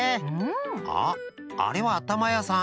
あああれはあたまやさん。